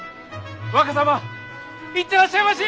若様行ってらっしゃいまし！